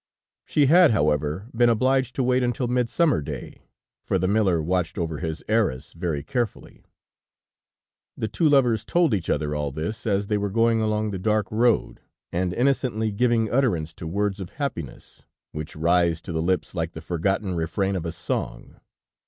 She had, however, been obliged to wait until Midsummer Day, for the miller watched over his heiress very carefully. The two lovers told each other all this as they were going along the dark road, and innocently giving utterance to words of happiness, which rise to the lips like the forgotten refrain of a song.